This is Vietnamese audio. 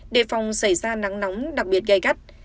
đề phòng xảy ra nắng nóng đặc biệt gây gắt